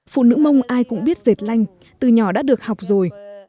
phụ nữ mông ai cũng biết dệt lanh từ nhỏ đã được học rồi